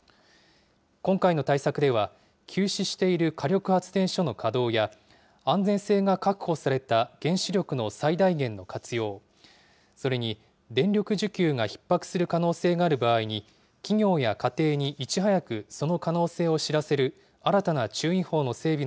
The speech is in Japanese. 今回の対策では、休止している火力発電所の稼働や、安全性が確保された原子力の最大限の活用、それに電力需給がひっ迫する可能性がある場合に、企業や家庭にいち早くその可能性を知らせる新たな注意報の整備